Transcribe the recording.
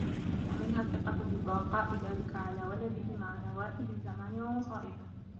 وَمِنْهَا الثِّقَةُ بِبَقَاءِ ذَلِكَ عَلَى وَلَدِهِ مَعَ نَوَائِبِ الزَّمَانِ وَمَصَائِبِهِ